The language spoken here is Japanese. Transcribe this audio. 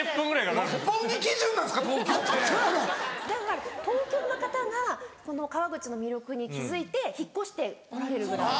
だから東京の方が川口の魅力に気付いて引っ越して来られるぐらい。